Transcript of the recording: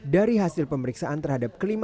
dari hasil pemeriksaan terhadap kelima